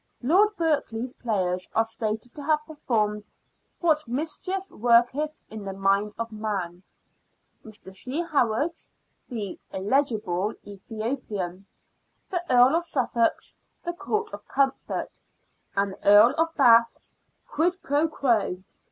Lord Berkeley's players are stated to have performed " What Mischief Worketh in the Mind of Man "; Mr. C. Howard's " The [illegible] Ethiopian "; The Earl of Suffolk's " The Court of Comfort "; and the Earl of Bath's " Quid pro quo."